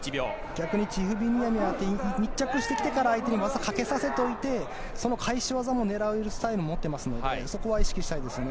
逆にチフビミアニは密着してきてから相手に技をかけさせておいてその返し技を狙えるスタイルも持っていますのでそこは意識したいですね。